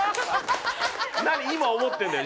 何今思ってんだよ